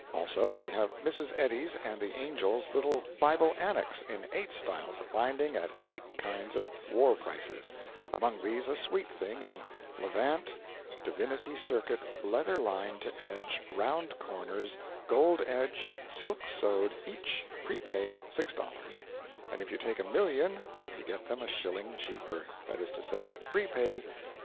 Also we have Mrs. Eddy's and the Angel's little Bible Annex in eight styles of binding at eight kinds of war prices: among these a sweet thing in 'levant, divinity circuit, leather lined to edge, round corners, gold edge, silk sewed, each, prepaid, $6,' and if you take a million you get them a shilling cheaper that is to say, 'prepaid, $5.